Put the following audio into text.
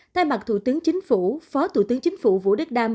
thay mặt thủ tướng chính phủ phó thủ tướng chính phủ vũ đức đam